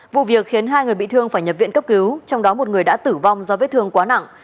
vụ việc khiến hai người bị thương phải nhập viện cấp cứu trong đó một người đã tử vong do vết thương quá nặng